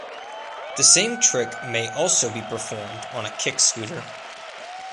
The same trick may also be performed on a kick scooter.